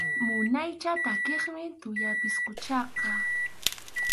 Munaycha takiqmi tuya pisquchaqa.